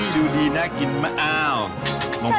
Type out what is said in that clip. จูดีน่ากินมาก